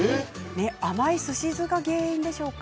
甘いすし酢が原因でしょうか。